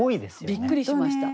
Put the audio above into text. びっくりしました。